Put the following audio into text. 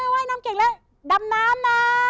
ว่ายน้ำเก่งแล้วดำน้ำนะ